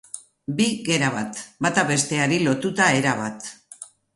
Bi gera bat, bata besteari lotuta erabat.